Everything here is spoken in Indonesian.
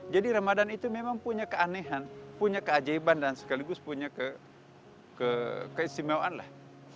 jadi ramadan itu memang punya keanehan punya keajaiban dan sekaligus punya keistimewaan lah